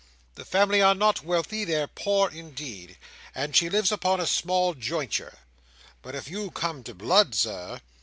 The family are not wealthy—they're poor, indeed—and she lives upon a small jointure; but if you come to blood, Sir!"